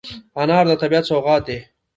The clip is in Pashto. انار د طبیعت سوغات دی.